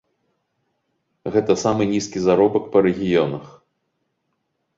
Гэта самы нізкі заробак па рэгіёнах.